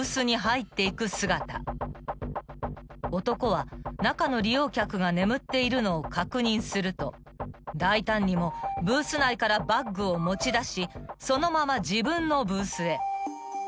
［男は中の利用客が眠っているのを確認すると大胆にもブース内からバッグを持ち出しそのまま自分のブースへ］